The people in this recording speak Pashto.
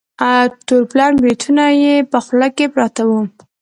تور پلن بریتونه یې په خوله کې پراته وه.